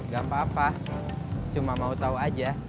gak papa cuma mau tau aja